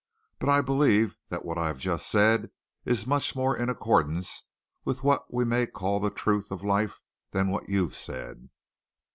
But I believe that what I have just said is much more in accordance with what we may call the truth of life than what you've said."